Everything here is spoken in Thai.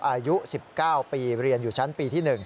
อายุ๑๙ปีเรียนอยู่ชั้นปีที่๑